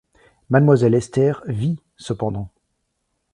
Mademoiselle Esther vit, cependant !…